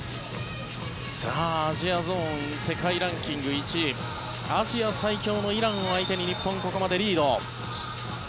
アジアゾーン世界ランキング１位アジア最強のイランを相手に日本、ここまでリード。